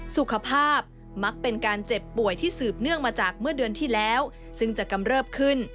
สุขภาพมักเป็นการเจ็บป่วยที่สืบเนื่องมาจากเมื่อเดือนที่แล้วซึ่งจะกำเริบขึ้น